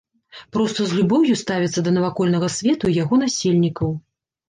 Проста з любоўю ставіцца да навакольнага свету і яго насельнікаў.